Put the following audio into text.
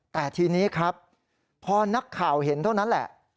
แต่ทีนี้ครับพอนักข่าวเห็นเท่านั้นแหละ